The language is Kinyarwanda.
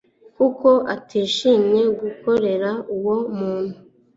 kuko atishimiye gukorera uwo muntu